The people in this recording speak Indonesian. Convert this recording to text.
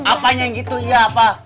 apanya yang gitu iya apa